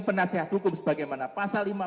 penasehat hukum sebagaimana pasal lima puluh